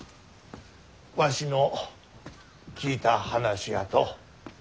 わしの聞いた話やと。